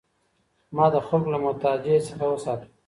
ما د خلکو له محتاجۍ څخه وساته.